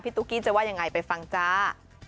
ตุ๊กกี้จะว่ายังไงไปฟังจ้า